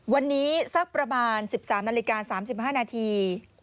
วันนี้สักประมาณ๑๓นาฬิกา๓๕นาที